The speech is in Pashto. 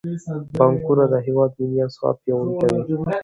بانکونه د هیواد ملي اسعار پیاوړي کوي.